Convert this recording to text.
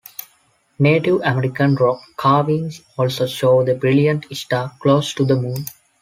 Native-American rock carvings also show the brilliant star close to the Moon.